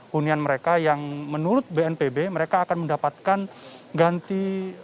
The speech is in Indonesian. hunian mereka yang menurut bnpb mereka akan mendapatkan ganti